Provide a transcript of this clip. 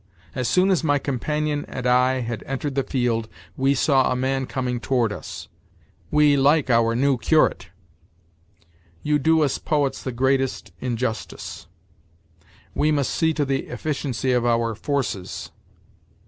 'As soon as my companion and I had entered the field, we saw a man coming toward us'; 'we like our new curate'; 'you do us poets the greatest injustice'; 'we must see to the efficiency of our forces.'